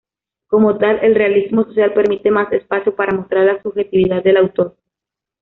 Como tal, el realismo social permite más espacio para mostrar la subjetividad del autor.